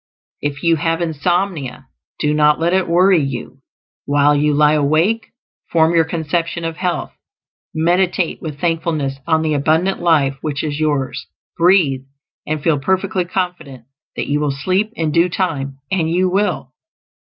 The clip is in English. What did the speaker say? If you have insomnia, do not let it worry you. While you lie awake, form your conception of health; meditate with thankfulness on the abundant life which is yours, breathe, and feel perfectly confident that you will sleep in due time; and you will.